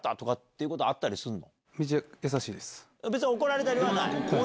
別に怒られたりはない。